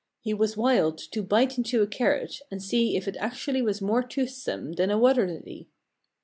He was wild to bite into a carrot and see if it actually was more toothsome than a water lily.